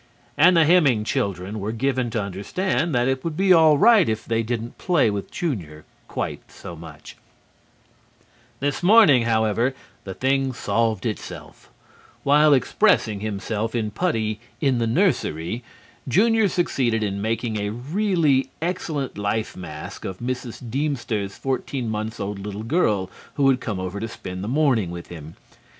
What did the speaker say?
And the Hemming children were given to understand that it would be all right if they didn't play with Junior quite so much. [Illustration: Mrs. Deemster didn't enter into the spirit of the thing at all.] This morning, however, the thing solved itself. While expressing himself in putty in the nursery, Junior succeeded in making a really excellent lifemask of Mrs. Deemster's fourteen months old little girl who had come over to spend the morning with him.